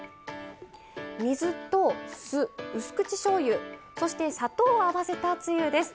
水と酢うす口しょうゆそして砂糖を合わせたつゆです。